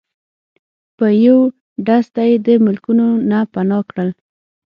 په یو ډز ته یی د ملکونو نه پناه کړل